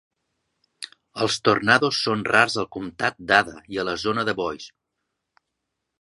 Els tornados són rars al comtat d'Ada i a la zona de Boise.